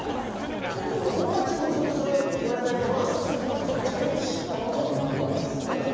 本番中もそれを言われないままチャレンジしたまま終わったんですだから